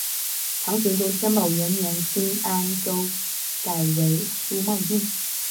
唐玄宗天宝元年新安州改为苏茂郡。